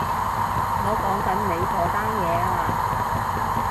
我講緊你嗰單嘢啊